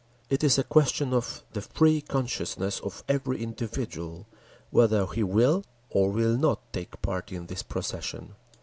It is a question of the free consciousness of every individual whether he will or will not take part in this procession.